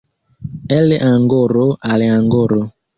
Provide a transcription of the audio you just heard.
El angoro al angoro.